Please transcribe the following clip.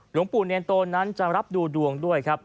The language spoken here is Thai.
หลวงปู่เนียนโตนั้นจะรับดูดวงด้วยครับ